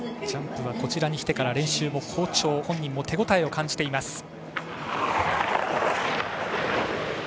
ジャンプ、こちらに来てから好調本人も手応えを感じています。